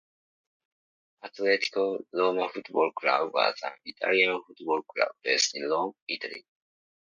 Atletico Roma Football Club was an Italian football club based in Rome, Italy.